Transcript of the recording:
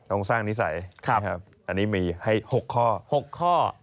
ต้องสร้างนิสัยอันนี้มีให้๖ข้อ๖ข้อ